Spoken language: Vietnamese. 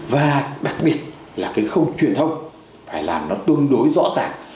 và đặc biệt là cái khâu truyền thông phải làm nó tương đối rõ ràng